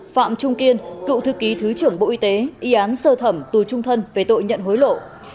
một phạm trung kiên cựu thư ký thứ trưởng bộ y tế y án sơ thẩm tù trung thân về tội nhận hối lộ